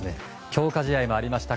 強化試合もありました